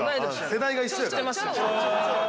世代が一緒やから。